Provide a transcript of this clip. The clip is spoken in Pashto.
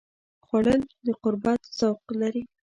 خوړل د قربت ذوق لري